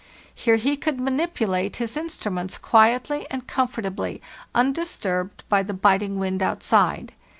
Here he could manipulate his instru ments quietly and comfortably, undisturbed by the biting wind outside.